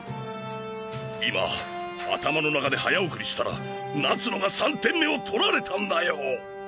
今頭の中で早送りしたら夏野が３点目を取られたんだよ。